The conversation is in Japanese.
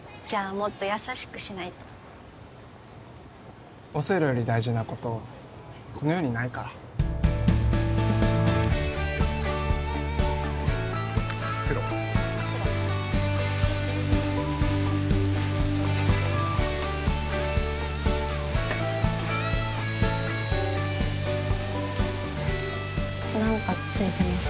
もっと優しくしないとオセロより大事なことこの世にないから何かついてます？